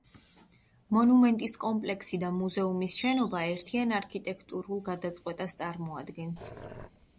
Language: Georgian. მონუმენტის კომპლექსი და მუზეუმის შენობა ერთიან არქიტექტურულ გადაწყვეტას წარმოადგენს.